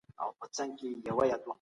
د اولس برخه یې